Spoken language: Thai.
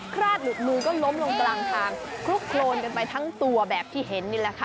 คราดหลุดมือก็ล้มลงกลางทางคลุกโครนกันไปทั้งตัวแบบที่เห็นนี่แหละค่ะ